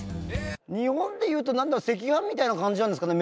日本でいうと赤飯みたいな感じなんですかね？